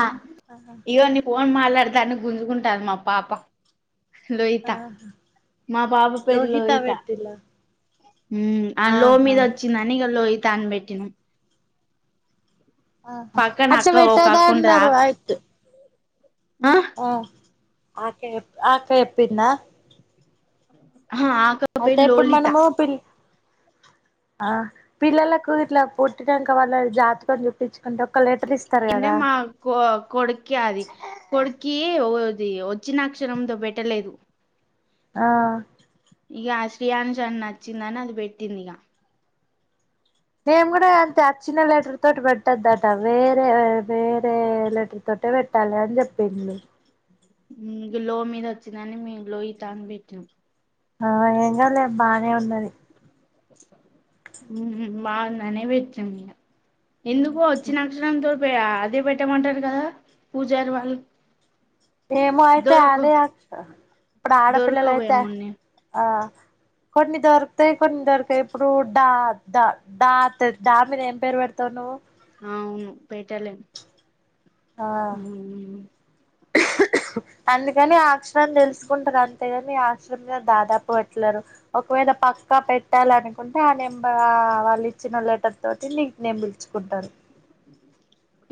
ఆ ఇగోండి ఫోన్ మాట్లాడతను గుంజుకుంటంది మా పాప లోహిత ఆహా మా బాబు పేరు లోహిత ఉమ్ ఆ లో ఆహా మీద వచ్చిందని ఇగ లోహిత్ తాన్ పెట్టిన ఆ అచ్చ అక్క వెట్ట ఒక అక్క ఉంటది ఆ దాన్నరు వైట్ [inaudible] ఆ ఆ అక్క చె ఆ అక్క చెప్పిందా ఆహా ఆ అక్క అయితే పేరు ఇప్పుడు లోలిత మనము పిల్లి ఆ పిల్లలకు ఇట్ల పుట్టినంక వాళ్ళ జాతకం చూపించ్ ఇందె మా కొ కొడుకె అది కొడుక్ కీ ఒది వచ్చినక్షరంతో పెట్టలేదు ఆ ఇక ఆ శ్రీ అంజన్నచ్చిందని అది పెట్టిందిగ నేను కూడా అంతే అచ్చిన లెటర్ తోటి పెట్టద్దట వేరే వేరే లెటర్ తోటే పెట్టాలి అని చెప్పిన్రు మ్మ్ లో మీద వచ్చిందని మేము లోహిత అని పెట్టినాం ఆ ఏం కాలే బానే ఉన్నది మ్మ్ బాగుందనె పెట్టినం ఇగ ఎందుకు వచ్చినక్షత్రంతో పే అదే పెట్టమంటారు కదా పూజారి వాళ్ళు ఏమో అయితే దొరక అదే అక్ ఇప్పుడు ఆడపిల్లల అయితే దొరకవేమోన్ని ఆ కొన్ని దొరుకుతాయి కొన్ని దొరకవు ఇప్పుడు డ ద అత్తది ద మీద ఏం పేరు పెడతావు నువ్వు అవును పెట్టలేం ఆ మ్మ్ అందుకని ఆ అక్షరం తెలుసుకుంటారు అంతేగాని అక్షరం మీద దాదాపు పెట్టలేరు ఒకవేళ పక్కా పెట్టాల అనుకుంటే ఆ నెంబర్ వాళ్ళు ఇచ్చిన లెటర్ తోటి నిక్ నేమ్ పిలుచుకుంటారు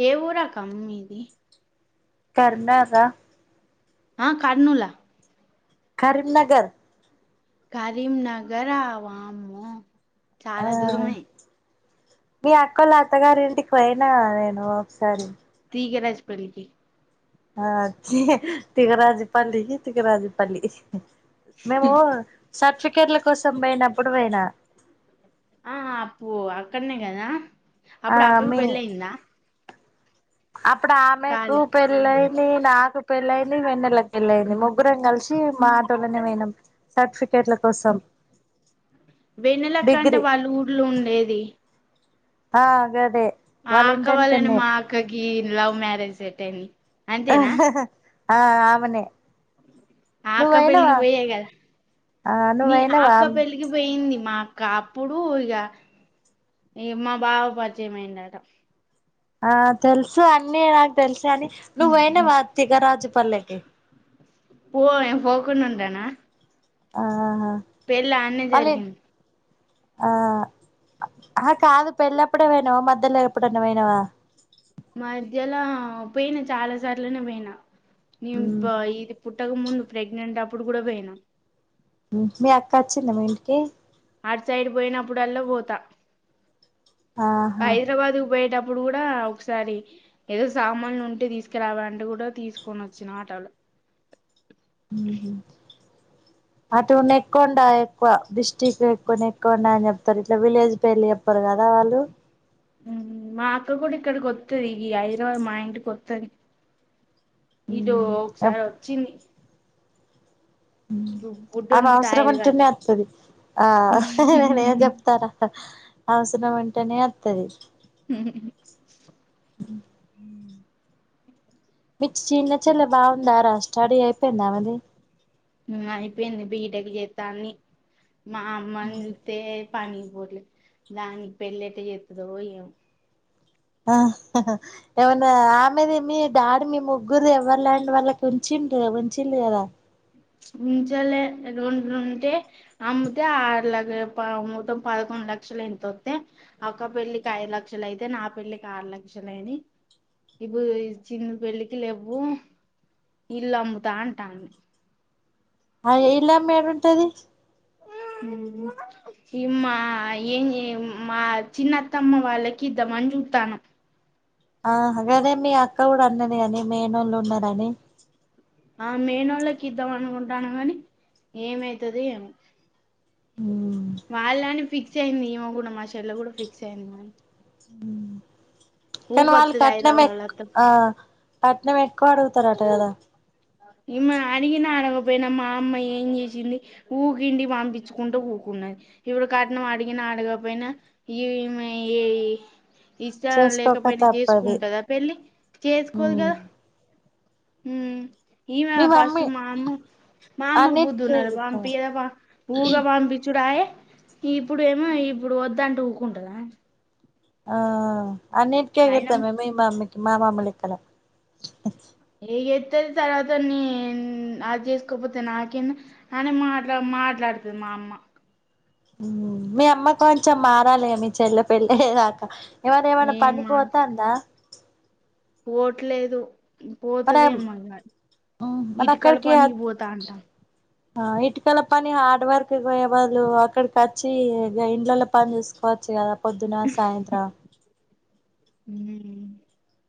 ఏఊరక్క మీది కర్నాస ఆ కర్నూల కరీంనగర్ కరీంనగరా వామ్మో ఆ చాలా దూరమే మీ అక్కలు అత్తగారి ఇంటికి పోయినా నేను ఒకసారి ఈగరాజపల్కి అ తిగరాజపలికి తికరాజుపల్లి మేము సర్టిఫికెట్ల కోసం పోయినప్పుడు పోయినా ఆ అప్పు అక్కడనే కదా ఆ అప్పుడు అక్కకు మీ పెళ్ళి అయిందా అప్పుడే ఆమె కూ పెళ్లయి నాకు పెళ్ళయింది వెన్నెలకి వెళ్ళయింది ముగ్గురం కలిసి మాటోలనే పోనాం సర్టిఫికేట్ల కోసం వెన్నలక్కంటే డిగ్రీ వాళ్ళు ఊర్లో ఉండేది ఆ గదే మా వాళ్ళ అక్క వాళ్ళని ఇంటెనకన్నే మా అక్కకి లవ్ మ్యారేజ్ టెన్ని ఆ ఆ ఆమెనే ఆక్క పెళ్ళికి నువ్వయినవా బొయ్యే కదా ఆ నీ నువ్వయినవా అక్క పెళ్ళికి పోయింది మా అక్ కా అప్పుడు ఇగ ఈ మా బావ పరిచయం అయిండట ఆ తెల్సు అన్ని నాకు తెల్సు గని నువు పోయినవా తి గ రాజు పర్లేకి పోయం పోకుండ ఉంటనా ఆహా పెల్లి అన్నే వాళ్ళ జరిగింది ఆ ఆహా కాదు పెళ్ళప్పుడే పోయినావా మధ్యల ఎప్పుడన్నా పోయినావా మాధ్యలో పోయినా చాలా సార్లనే పోయినా న్యూ బ ఇది పుట్ పుట్టక ముందు ప్రెగ్నెంట్ అప్పుడు కూడా పోయినా మీ అక్క వచ్చింద మీ ఇంటికి ఆటు సైడ్ పోయినప్పుడు అల్లా పోతా ఆహా హైదరాబాద్ కు బోయేటపు అప్పుడు కూడా ఒకసారి ఏదో సామాన్లు ఉంటే తీసుకరావాలంటే కూడా తీసుకొని వచ్చిన అటోల అటు నెక్కొండ ఎక్కువ డిస్టిక్ ఎక్కువ నెక్కొండ అని చెప్తరు ఇట్ల విలేజ్ పేర్లు చెప్పరు కదా వాళ్ళు మా అక్క కూడా ఇక్కడికి వత్తది ఈ హైదరాబాద్ మా ఇంటికి వత్తది ఇదో ఒకసారి వచ్చింది అమె బుడ్డోనికి అవసరం తాయేది అంటేనే కట్టి అత్తది ఆ నేనేం చెప్తారా అవసరమంటనే అత్తది హ మీ కు చిన్న చెల్లే బాగుందారా స్టడీ అయిపెందా ఆమేది న అయిపేంది బీటెక్ చేతాన్నీ మా అమ్మ ను జూతే పనికి పోట్లే దానికి పెళ్లియేట చెతదో ఏమో ఆ ఏమన్నా ఆమెది మీ డాడి మీ ముగ్గురు ఎవ్వరి ల్యాండ్ వాళ్ళకి ఉంచిండు ఉంచిల్లు కదా ఉంచలే రెండుంటే అమ్ముతే ఆరు లక్షల పావు మొత్తం పదకొండు లక్షలు ఏంతోతే అక్క పెళ్ళికి ఐదు లక్షలు అయితే నా పెళ్లికి ఆరు లక్షలైనై ఇప్పు చిన్ను పెళ్ళికి లేవ్వు ఇల్లు అమ్ముతా అంటాడు అయ్యో ఇల్లు అమ్మి ఏడ ఉంటది ఇమా ఏంజే మా చిన్న అత్తమ్మ వాళ్ళకి ఇద్దాం అని జుతానం ఆహా గదే మీ అక్క కూడా అన్నది కని మేనోళ్ళు ఉన్నరని ఆ మేనోళ్ళకి ఇద్దాం అనుకుంటానం కని ఏమైతదో ఏమో ఉమ్ వాళ్ళని ఫిక్స్ ఫిక్స్ అయింది ఈమో కూడా మా చెల్ల కూడా ఫిక్స్ అయింది మ ఉ కానీ వాళ్ళు కట్నం హైదరాబాద్ ఎక్ అత్త ఆ కట్నం ఎక్కువ అడుగు ఇత్త రాట కద ఈమె అడిగినా అడగపోయినా మా అమ్మ ఏం చేసింది ఊక ఇంటికి పంపించుకుంట ఊకున్నది ఇప్పుడు కట్నం అడిగినా అడగపోయినా ఈమె ఏ ఇష్టం చేసుకోక లేకపోయినా తప్పది చేసుకుంటదా పెళ్ళి చేసుకోదు ఉమ్ కదా ఉ ఈమె మీ ఫస్ట్ మమ్మీ మా అమ్మ మా అమ్మకు బుద్ధి అన్నిటికీ ఉండాలా ఎగురుతది పంపీయేదే పంప్ ఊగా పంపించుడాయే ఇప్పుడు ఏమో ఇప్పుడు వద్దంటే ఊకుంటుందా ఆ అన్నిటికీ అయినా ఎగేతెమో మెయిన్ [unintelligible] [unintelligible] ఎగేతాది తర్వాత నేన్ అది చేసుకోపోతే నాకేంది. అని మాట్లా మాట్లాడతది మా అమ్మ మీ అమ్మ కొంచెం మారాలి మీ చెల్లె పెళ్ళయే దాకా ఎవర ఏమైన్నా పనికీ పోతాందా పోట్లేదు మన పోతుదేమో ఇగా ఇటుకల పనికి పోతా అంటాది ఆ ఇటుకల పని హార్డ్ వర్క్ పోయే బదులు వాళ్ళు అక్కడికి వచ్చి గా ఇండ్లలలో పని చేసుకోవచ్చు. కదా పొద్దున, సాయంత్రం హ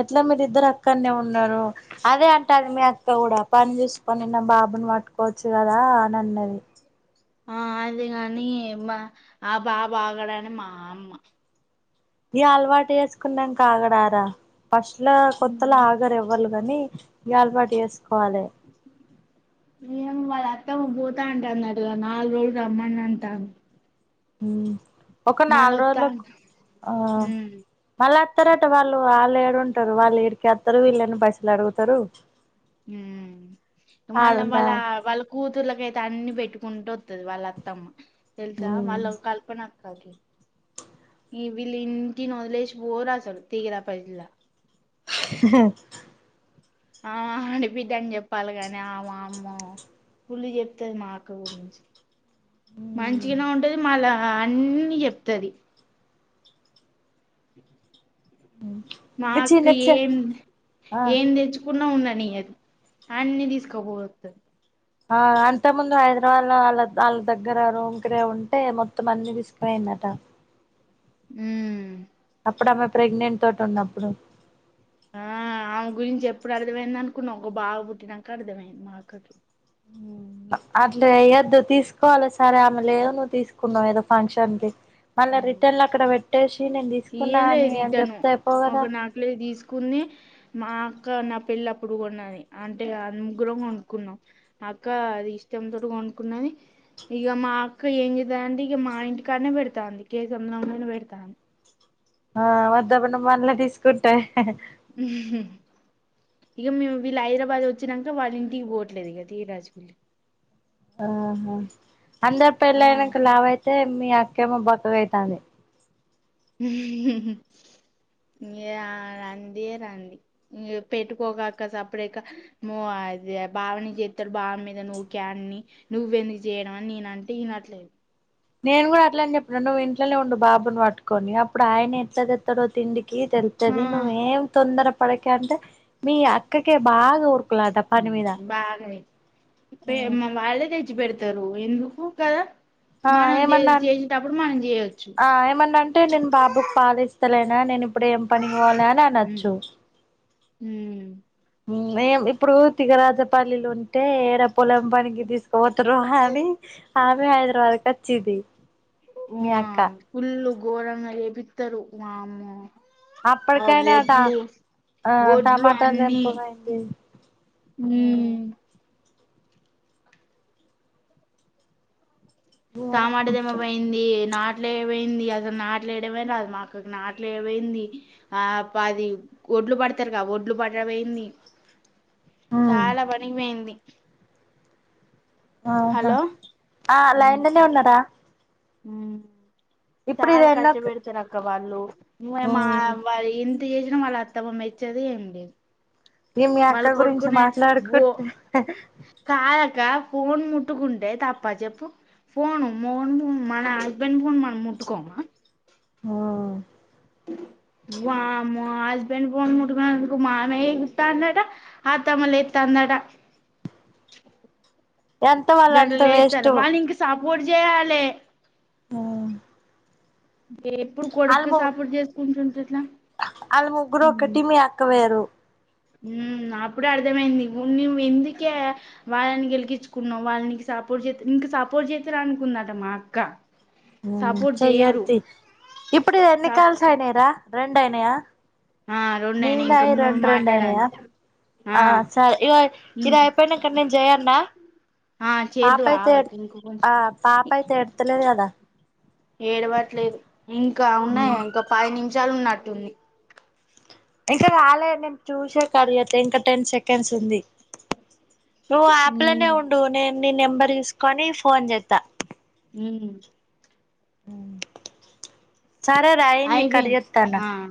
అట్లా మీరి ఇద్దరు అక్కనే ఉన్నారు. అదే అంటది మీ అక్క కూడా పని చేసుకొని నా బాబుని మట్టుకోవచ్చు. కదా అని అన్నది. ఆ అదే కాని మా ఆ బాబు ఆగడని మా అమ్మ ఇ అలవాటు చేసుకున్నాక ఆగడరా ఫస్ట్ల కొత్తలా ఉమ్. ఆగరు ఎవ్వలు. కాని అలావాటు చేసుకోవాలి. ఏమో వాళ్ళ అత్తమ్మా పోతా అంటుంది కదా నాలుగు రోజులు రమ్మని అంటాది. హ్మ్ ఒక నాలుగు రోజులకు ఆ ఉమ్ మళ్ళా అస్తారట వాళ్ళు వాళ్ళేడుంటారు. వాళ్ళు ఈడికే వత్తారు. వీళ్ళని పైసలు అడుగుతారు. మళ్ళ ఆడున్న వాళ వాళ్ళ కూతుర్లకైతే అన్ని పెట్టుకు ఉంటే వత్తది వాళ్ళ అత్తమ్మ తెల్స ఆ వాల్ కల్పన వీళ్ళు ఇంటిని వదిలేసి పోరు అస్సలు [unintelligible] హ ఆమె ఆడి బిడ్డకు చెప్పాలి. కాని ఆ వామ్మో పుల్ చెప్తది. మా అక్క గురించి మంచిగానే ఉంటది. మళ్ళా అన్ని చెప్తది. మా మీ అక్క చిన్న చె ఏం ఆ ఏం తెచ్చుకున్నా ఉండది. ఉందనీయదు అన్ని తీసుకుపోతాది. ఆ అంతే ముందు హైదరాబాద్ లో వాళ్ళ వాళ్ళ దగ్గర రూమ్ కిరాయి ఉంటే మొత్తం అన్ని తీసుకునియిందట హ్మ్ అప్పుడు ఆమె ప్రెగ్నెంట్ తోటి ఉన్నప్పుడు ఆ ఆమె గురించి ఎప్పుడు అర్థమైంది. అనుకున్నావ్ ఒక బాబు పుట్టినాక అర్థమైంది. మా అక్కకీ అట్లే ఏందుకు తీసుకోవాలి సరే ఆమె లేదు నువ్వు తీసుకున్నావు ఏదో ఫంక్షన్ కి మళ్ళ రిటర్నలా అక్కడ పెట్టేసి నేను తీసుకున్నా ఇయ్యలే అని అని రిటర్ను చెప్తా అయిపో కదా ఒక నకిలీ తీసుకుంది మా అక్క నా పెళ్లి అప్పుడు కొన్నది. అంటే అ ముగ్గురం కొనుక్కున్నాం. అక్క అది ఇష్టం తోటి కొనుక్కున్నది. ఇక మా అక్క ఏం చేతది అంటే ఇగా మా ఇంటికానే పెడతది. అక్క కేసముద్రం లోనే పెడ్తది. ఆ వద్దబన మళ్ల తీసుకుంటే ఇక మేము వీళ్ళ హైదరాబాద్ వచ్చానాక వాళ్ళ ఇంటికి పోవట్లేదు ఇకది రాజగిల్ళ ఆహా అందరు ఆ పెళ్ళయినక లావు అయితే మీ అక్కే మ బక్కగాయితాంది ఇ రదే రండి పెట్టుకోగాక సపడేక అద బావని చేస్తాడు బావ మీద నువ్వు క్యాని నువ్వవు ఎందుకు చేయడం అని నేనంటే వినట్లేదు నేను కూడా అట్లని చెప్పాను నువ్వు ఇంట్లోనే ఉండువు బాబును పట్టుకొని అప్పుడు ఆయన ఎట్లా తెత్తాడో తిండి ఆ తెల్తది నువ్ ఏం తొందర పడకంట మీ అక్కక బాగా ఉ బాగా వాళ్ళే తెచ్చి పెడుత రు ఎందుకు కద ఆ మనం ఏమన్నా అంటే చేసేటప్పుడు మనం చేయొచ్చు ఆ ఏమన్నా అంటే నేను బాబుకు బాలిస్తలేను రానేను ఇప్పుడు ఏం పనికి పోవ లే అనొచ్చు ఉమ్ మేం ఇప్పుడు తిగరాజపల్లిిలో ఉంటే ఏడ పొలం పనికి తీసుకుపోతారో అనీ ఆమె హైదరాబాద్ కచ్చిందీ ఓ ఆ ఫుళ్ళు ఘోరంగ చెపిత్తరు వామ్మో ఆ అప్పటికైనా ట ఒడ్లు ఆ ఒడ్లు టమాటాలు అన్నీ తెంపవేయింది ఊ ఉమ్ తమాట తెంపపోయింది నాట్లే పోయింది అసలు నాట్లేయడమనా రాదు మాకు నాట్లే పోయింది ఆది ఒడ్లు పడతారు క ఒడ్లు పడ పోయింది చాలా పనికిపోయింది ఆహా హలో ఆ లైన్లనే ఉన్నరా ఊ చాల ఎన్నో కస్ట బేడతరక్క వాళ్లు నువ్వె మో ఆ వ ఇ చేసిన వాళ్ళ అత్తమ మెచ్చది ఏములేదు ఏ మీ అక్క గురించి ఓ మాట్లాడుకుంటే కాదక్క ఫోన్ ముట్టుకుంటే తప్పచెప్పు ఫోను మోన్ మన హస్బెండ్ ఫోన్ మనం ముట్టుకోమా హ వామ్మో హస్బెండ్ ఫోన్ ముట్కుకునందుకు మామయ్య ఎగురతాడట అత్తమ్మ లేతాందట ఎంత వాళ్ళ అంత వేస్ట్ పూడ్చేయాలే వాళ్ళు ఎ ఎప్పుడు కొడుక్కు సపోటు చేసుకుంటుంటే ఎట్లా. ఆళ్ళు ముగ్గురు ఒకటి మీ అక్క వేరు ఉం అప్పుడే అర్థమైంది ఉన్నివ్వు ఎందుకే వాళ్ళని గెలికిించుకున్నావు. వాళ్ళ నీకు సపోర్ట్ చే ఇంక సపోర్ట్ చేస్తార అనుకుందట మా అక్క. సపోర్ట్ చెయ్యరు చెయ్యర్తి ఇప్పుడు ఎన్ని సప్ కాల్స్ అయినైరా రెండు అయినాయా. ఆ నీయి రెండయినయి ఇంకా నాయి మూడు రొండు రొండు అయినయ, మాట్లాడాలి ఆ సరే ఇగో ఇది ఇంక్ అయిపోయినంగా నేను జయన్న. ఆ చేద్దు పాపయితే ఆగకు ఎడ్త్ ఇంక కొంచెం ఆ పాపయితే ఏడుతలేదు కదా. ఏడవట్లేదు ఇంకా ఉన్నాయ మ్ ఇంకా పది నిమిష షాలు ఉన్నట్టుంది. ఇంకా కాలే నేను చూసే కట్చెత్త ఇంకా టెన్ సెకండ్స్ ఉంది. నువ్వు ఉ అప్లనే ఉండు నేను నీ నెంబర్ తీసుకొని ఫోన్ చేస్తా. ఊ అ సరే రాయింది కట్ అయిపోయింది చెత్తాన ఆ